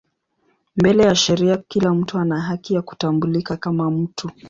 Mbele ya sheria kila mtu ana haki ya kutambulika kama mtu.